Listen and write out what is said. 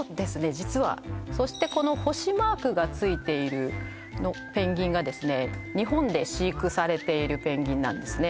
実はそしてこの星マークがついているペンギンがですね日本で飼育されているペンギンなんですね